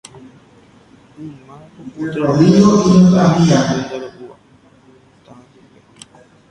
Yma ku potrero-kue opytava'ekue Pindoru'ã tavapýpe.